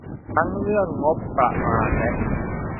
ทั้งเรื่องงบประมาณและ